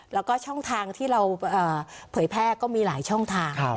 แล้วก็ช่องทางที่เราเผยแพร่ก็มีหลายช่องทาง